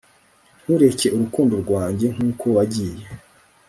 ntureke urukundo rwanjye nkuko wagiye